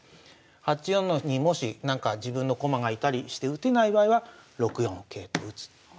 ８四にもし自分の駒が居たりして打てない場合は６四桂と打つ。